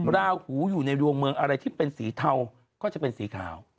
ราหูอยู่ในดวงเมืองอะไรที่เป็นสีเทาก็จะเป็นสีขาว